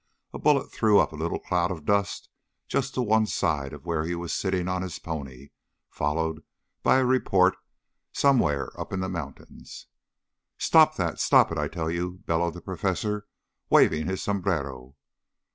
A bullet threw up a little cloud of dust just to one side of where he was sitting on his pony, followed by a report somewhere up in the mountains. "Stop that! Stop it, I tell you!" bellowed the professor, waving his sombrero.